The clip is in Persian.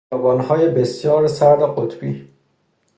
بیابانهای بسیار سرد قطبی